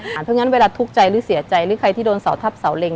เพราะงั้นเวลาทุกข์ใจหรือเสียใจหรือใครที่โดนเสาทับเสาเล็ง